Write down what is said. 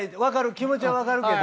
気持ちはわかるけど。